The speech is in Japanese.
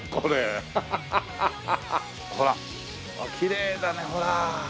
ほらきれいだねほら。